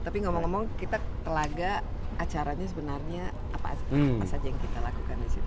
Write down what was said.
tapi ngomong ngomong kita telaga acaranya sebenarnya apa saja yang kita lakukan di situ